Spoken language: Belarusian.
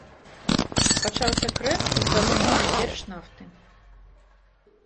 Пачаўся крэн у здабычу, найперш нафты.